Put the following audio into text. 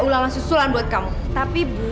ulangan susulan buat kamu tapi bu